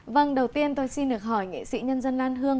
vâng đầu tiên tôi xin được hỏi nghệ sĩ nhân dân lan hương